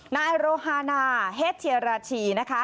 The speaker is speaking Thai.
นายโรฮานาเฮดเทียราชีนะคะ